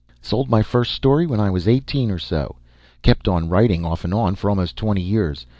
"Sold my first story when I was eighteen or so. Kept on writing off and on for almost twenty years.